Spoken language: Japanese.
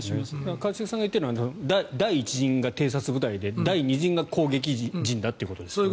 一茂さんが言っているのは第１陣が偵察部隊で第２陣が攻撃陣だということですね。